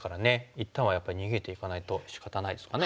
一旦はやっぱり逃げていかないとしかたないですかね。